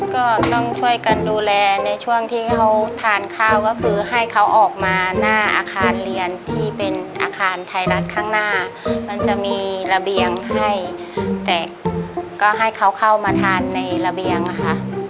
ก็ต้องช่วยกันดูแลในช่วงที่เขาทานข้าวก็คือให้เขาออกมาหน้าอาคารเรียนที่เป็นอาคารไทยรัฐข้างหน้ามันจะมีระเบียงให้แต่ก็ให้เขาเข้ามาทานในระเบียงค่ะ